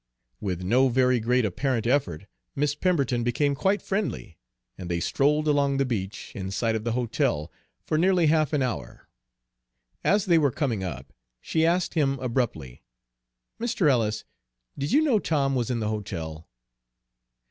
With no very great apparent effort, Miss Pemberton became quite friendly, and they strolled along the beach, in sight of the hotel, for nearly half an hour. As they were coming up she asked him abruptly, "Mr. Ellis, did you know Tom was in the hotel?"